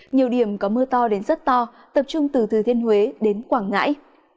nhiều điểm có mưa to đến rất to tập trung từ thừa thiên huế đến quảng ngãi